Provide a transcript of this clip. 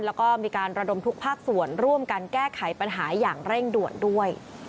แล้วก็มีการระดมทุกภาคส่วนร่วมกันแก้ไขปัญหาอย่างเร่งด่วนด้วย